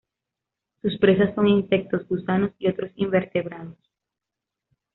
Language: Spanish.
Sus presas son insectos, gusanos y otros invertebrados.